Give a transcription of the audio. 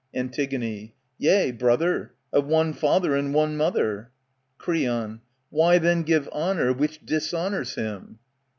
Antig, Yea, brother, of one father and one mother. Creon. Why then give honour which dishonours him